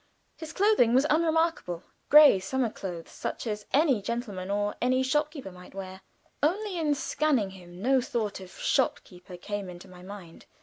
His clothing was unremarkable gray summer clothes, such as any gentleman or any shop keeper might wear; only in scanning him no thought of shop keeper came into my mind.